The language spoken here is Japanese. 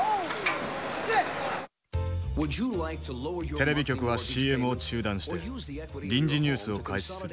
テレビ局はＣＭを中断して臨時ニュースを開始する。